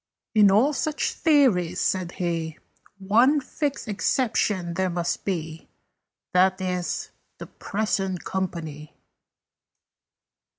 "In all such theories," said he, "One fixed exception there must be. That is, the Present Company."